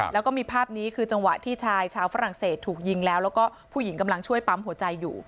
แล้วก็มีภาพนี้คือจังหวะที่ชายชาวฝรั่งเศสถูกยิงแล้วแล้วก็ผู้หญิงกำลังช่วยปั๊มหัวใจอยู่